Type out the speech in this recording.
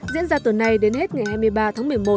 diễn ra từ nay đến hết ngày hai mươi ba tháng một mươi một